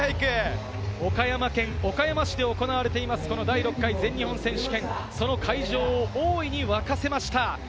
岡山県岡山市で行われています、第６回全日本選手権、その会場を大いに沸かせました。